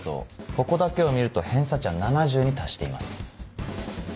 ここだけを見ると偏差値は７０に達しています。